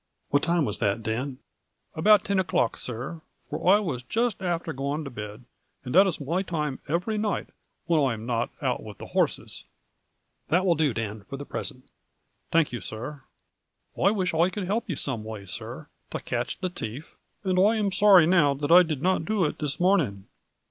" What time was that, Dan ?"" About tin o'clock, sir, for I was just afther going to bed, and that is my toime every night whin I am not out with the horses." " That will do, Dan, for the present." " Thank you, sir. I wish I could help you some way, sir, to catch the thief, and I am sorry now that I did not do it this morning."